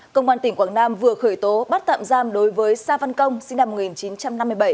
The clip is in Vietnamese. công an tỉnh quảng nam vừa khởi tố bắt tạm giam đối với sa văn công sinh năm một nghìn chín trăm năm mươi bảy